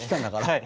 はい。